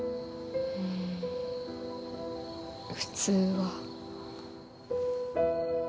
うん普通は。